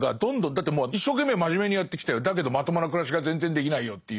だってもう一生懸命真面目にやってきたよだけどまともな暮らしが全然できないよっていう。